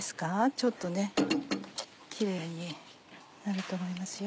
ちょっとねキレイになると思いますよ。